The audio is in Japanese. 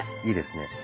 いいですね。